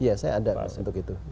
iya saya ada untuk itu